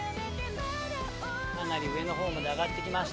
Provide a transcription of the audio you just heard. かなり上の方まで上がってきました。